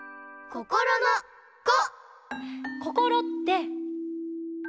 こころの「こ」！